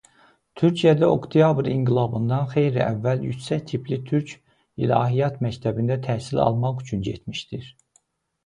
Türkiyəyə Oktyabr inqilabından xeyli əvvəl yüksək tipli türk İlahiyyat məktəbində təhsil almaq üçün getmişdir.